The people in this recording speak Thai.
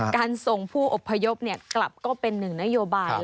การส่งผู้อพยพกลับก็เป็นหนึ่งนโยบาย